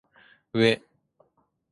うぇ